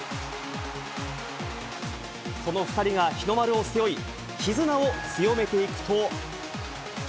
その２人が日の丸を背負い、絆を強めていくと。